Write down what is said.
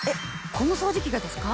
この掃除機がですか？